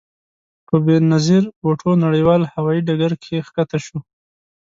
په بې نظیر بوټو نړیوال هوايي ډګر کښته شوو.